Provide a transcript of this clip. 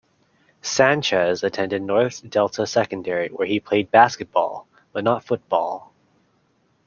Sanchez attended North Delta Secondary where he played basketball, but not football.